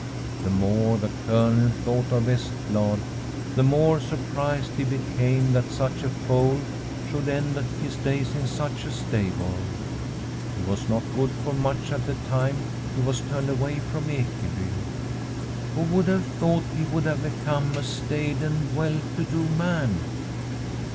The more the Colonel thought of Vestblad the more surprised he became that such a foal should [ 317 ] Frtm a SWEDISH HOMESTEAD end his days in such a stable. He was not good for much at the time he was turned away from Ekeby. Who would have thought he would have become a staid and well to do man